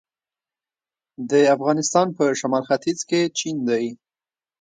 د افغانستان په شمال ختیځ کې چین دی